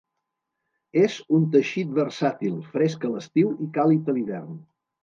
És un teixit versàtil, fresc a l'estiu i càlid a l'hivern.